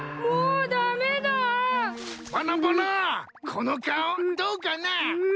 この顔どうかな？